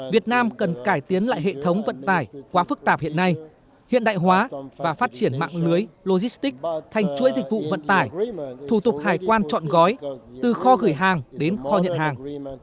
việt nam cần cải tiến lại hệ thống vận tải quá phức tạp hiện nay hiện đại hóa và phát triển mạng lưới logistics thành chuỗi dịch vụ vận tải thủ tục hải quan chọn gói từ kho gửi hàng đến kho nhận hàng